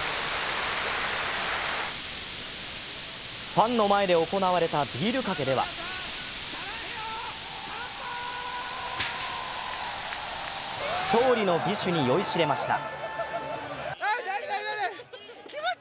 ファンの前で行われたビールかけでは勝利の美酒に酔いしれました。